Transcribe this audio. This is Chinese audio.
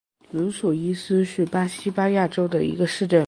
伦索伊斯是巴西巴伊亚州的一个市镇。